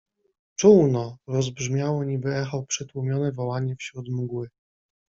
Czółno! — rozbrzmiało niby echo przytłumione wołanie wśród mgły.